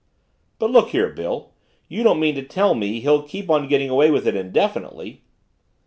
"But look here, Bill, you don't mean to tell me he'll keep on getting away with it indefinitely?"